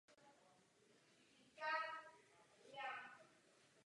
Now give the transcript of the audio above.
V obci jsou činné sportovní a kulturní spolky.